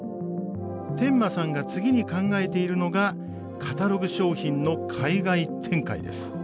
天間さんが次に考えているのがカタログ商品の海外展開です。